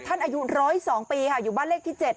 อายุ๑๐๒ปีค่ะอยู่บ้านเลขที่๗